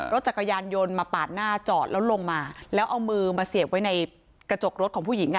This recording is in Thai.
รถจักรยานยนต์มาปาดหน้าจอดแล้วลงมาแล้วเอามือมาเสียบไว้ในกระจกรถของผู้หญิงอ่ะ